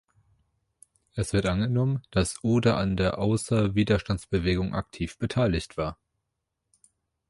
Es wird angenommen, dass Ude an der Ausseer Widerstandsbewegung aktiv beteiligt war.